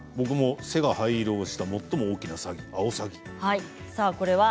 背が灰色をした最も大きいサギアオサギ。